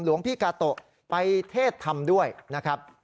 หลวงพี่กาโตะไปเทศธรรมด้วยนะครับ